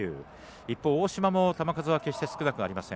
一方、大嶋も球数は決して少なくありません。